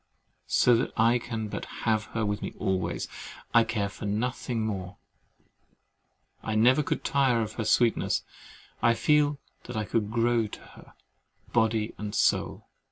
So that I can but have her with me always, I care for nothing more. I never could tire of her sweetness; I feel that I could grow to her, body and soul?